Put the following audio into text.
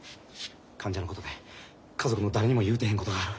患者のことで家族の誰にも言うてへんことがある。